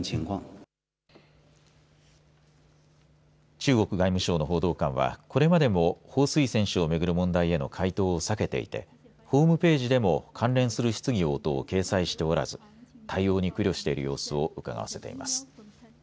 中国外務省の報道官はこれまでも彭帥選手を巡る問題への回答を避けていてホームページでも関連する質疑応答を掲載しておらず対応に苦慮している様子をうかがわせています。